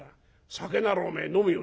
酒ならおめえ飲むよ。